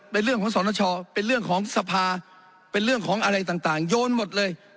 เป็นเรื่องของสรณชอเป็นเรื่องของสภาเป็นเรื่องของอะไรต่างโยนหมดเลย